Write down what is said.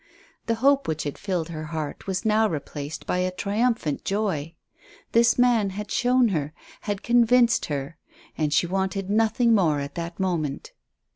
The hope which had filled her heart was now replaced by a triumphant joy. This man had shown her, had convinced her, and she wanted nothing more at that moment.